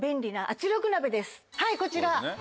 はいこちら。